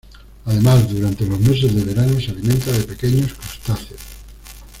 Además durante los meses de verano se alimenta de pequeños crustáceos.